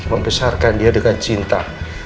membesarkan dia dengan cinta